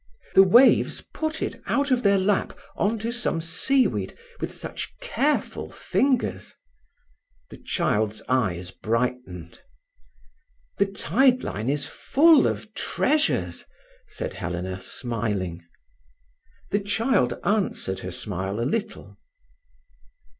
"The waves put it out of their lap on to some seaweed with such careful fingers—" The child's eyes brightened. "The tide line is full of treasures," said Helena, smiling. The child answered her smile a little.